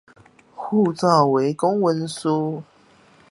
護照為公文書